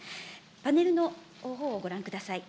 パネルのほうをご覧ください。